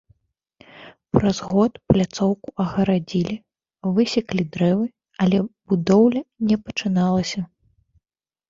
Праз год пляцоўку агарадзілі, высеклі дрэвы, але будоўля не пачыналася.